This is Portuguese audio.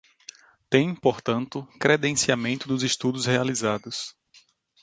Tem, portanto, credenciamento dos estudos realizados.